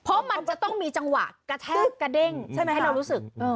เพราะมันจะต้องมีจังหวะกระแทกกระเด้งใช่ไหมให้เรารู้สึก